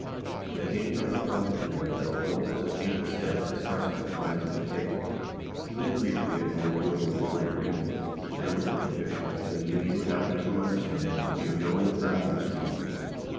The King thereupon declared that although it was a painful step his Council had advised him to take, he would agree to it in order to avoid a greater evil, and with the conviction that a Union without mutual understanding would be of no real value to Sweden.